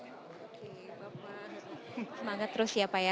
oke bapak semangat terus ya pak ya